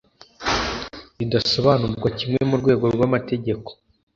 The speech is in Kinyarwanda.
ridasobanurwa kimwe mu rwego rw’amategeko